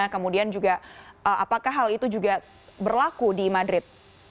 kemudian juga apakah hal itu juga berlaku di madrid